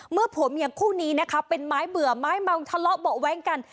เมื่อผัวเมียคู่นี้เป็นไม้เบื่อไม้มองทะเลาะเบาะแว้งกัน